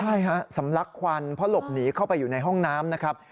ใช่ฮะสำลักควันเพราะหลบหนีเข้าไปอยู่ในห้องน้ำนะครับ